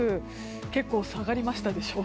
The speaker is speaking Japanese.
結構下がりましたでしょ。